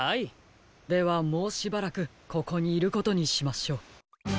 ではもうしばらくここにいることにしましょう。